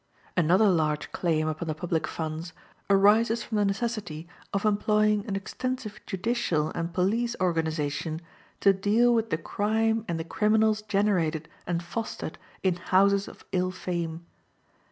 Another large claim upon the public funds arises from the necessity of employing an extensive judicial and police organization to deal with the crime and the criminals generated and fostered in houses of ill fame.